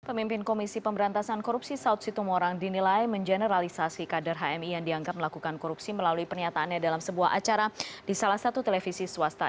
pemimpin komisi pemberantasan korupsi saud situmorang dinilai mengeneralisasi kader hmi yang dianggap melakukan korupsi melalui pernyataannya dalam sebuah acara di salah satu televisi swasta